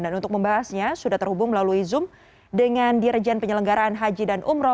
dan untuk membahasnya sudah terhubung melalui zoom dengan dirjen penyelenggaraan haji dan umroh